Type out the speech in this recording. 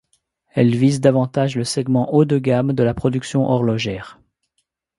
Elle vise davantage le segment haut de gamme de la production horlogère.